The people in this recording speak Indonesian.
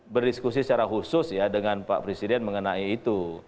berdiskusi secara khusus ya dengan pak presiden mengenai itu